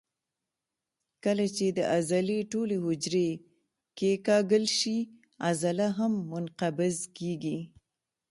کله چې د عضلې ټولې حجرې کیکاږل شي عضله هم منقبض کېږي.